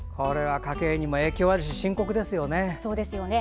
家計にも影響があるし深刻ですよね。